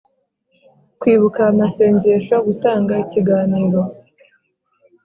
Kwibuka amasengesho gutanga ikiganiro